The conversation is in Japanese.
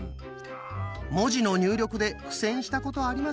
文字の入力で苦戦したことありません？